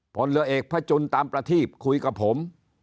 ผลเรือเอกพระจุลตามประทีบคุยกับผม